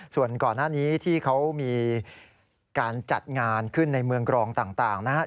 ส่วนก่อนหน้านี้ที่เขามีการจัดงานขึ้นในเมืองกรองต่างนะครับ